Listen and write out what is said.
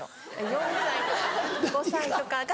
４歳とか５歳とかが。